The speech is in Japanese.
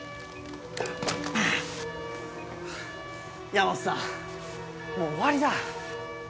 大和さんもう終わりだ。